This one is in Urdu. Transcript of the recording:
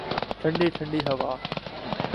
ٹھنڈی ٹھنڈی ہوا